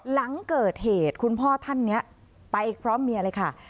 หลังเกิดเหตุคุณพ่อท่านนี้ไปพร้อมเมียเลยค่ะ